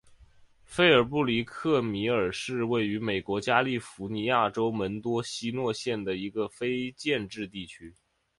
菲尔布里克米尔是位于美国加利福尼亚州门多西诺县的一个非建制地区。